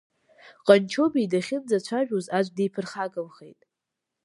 Ҟанчобеи дахьынӡацәажәоз аӡә диԥырхагамхеит.